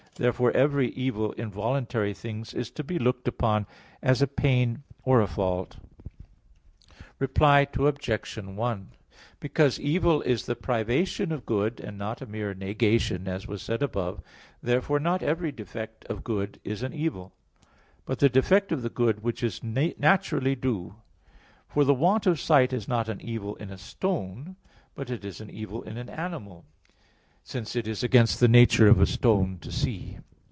Therefore every evil in voluntary things is to be looked upon as a pain or a fault. Reply Obj. 1: Because evil is the privation of good, and not a mere negation, as was said above (A. 3), therefore not every defect of good is an evil, but the defect of the good which is naturally due. For the want of sight is not an evil in a stone, but it is an evil in an animal; since it is against the nature of a stone to see.